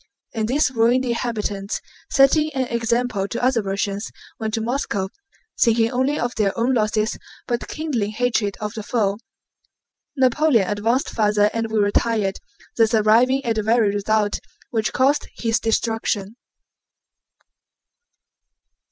And these ruined inhabitants, setting an example to other Russians, went to Moscow thinking only of their own losses but kindling hatred of the foe. Napoleon advanced farther and we retired, thus arriving at the very result which caused his destruction.